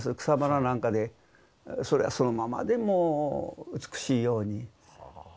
草花なんかでそれはそのままでもう美しいように。